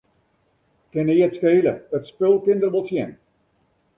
Kin neat skele, it spul kin der wol tsjin.